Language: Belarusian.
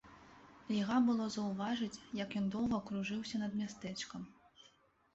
І льга было заўважыць, як ён доўга кружыўся над мястэчкам.